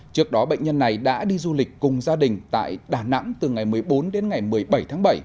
trước đó bệnh nhân này đã đi du lịch cùng gia đình tại đà nẵng từ ngày một mươi bốn đến ngày một mươi bảy tháng bảy